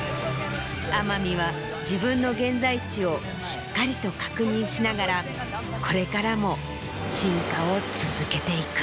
天海は自分の現在地をしっかりと確認しながらこれからも。